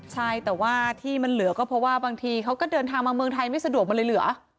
ใช่แต่ว่าที่มันเหลือก็เพราะว่าบางทีเขาก็เดินทางมาเมืองไทยไม่สะดวกมันเลยเหลือ